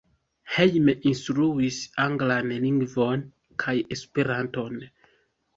Hejme instruis anglan lingvon kaj Esperanton.